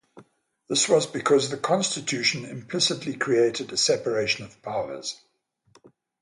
This was because the Constitution implicitly created a separation of powers.